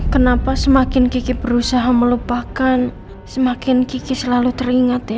kenapa semakin kiki berusaha melupakan semakin kiki selalu teringat ya